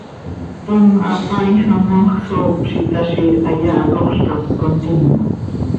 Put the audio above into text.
Tom hapaaijam hoox csoop z itaazi, hayaa hacoxl cap contima.